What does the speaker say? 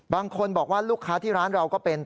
บางคนบอกว่าลูกค้าที่ร้านเราก็เป็น